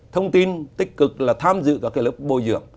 thông tin tích cực là tham dự các lớp bồi dưỡng